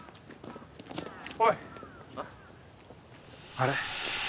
あれ。